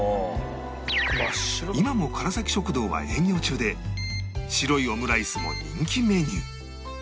今もからさき食堂は営業中で白いオムライスも人気メニュー